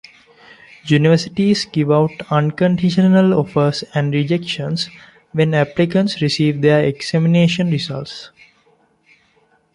Universities give out unconditional offers and rejections when applicants receive their examination results.